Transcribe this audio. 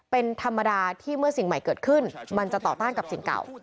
เป็นธรรมดาที่เมื่อสิ่งใหม่เกิดขึ้นมันจะต่อต้านกับสิ่งเก่า